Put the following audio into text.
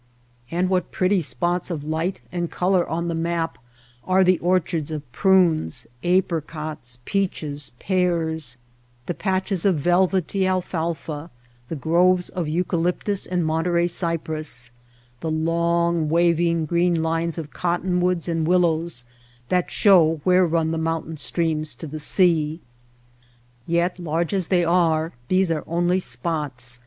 And what pretty spots of light and color on the map are the orchards of prunes, apricots, peaches, pears, the patches of velvety alfalfa, the groves of eucalyptus and Monterey cypress, the long waving green lines of cottonwoods and willows that show where run the mountain streams to the sea ! Yet large as they are, these are only spots.